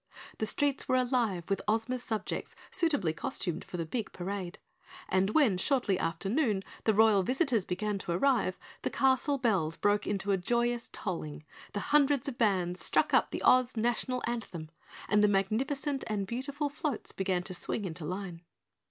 The streets were alive with Ozma's subjects suitably costumed for the big parade, and when, shortly after noon, the Royal Visitors began to arrive, the castle bells broke into a joyous tolling, the hundred bands struck up the Oz National Anthem and the magnificent and beautiful floats began to swing into line.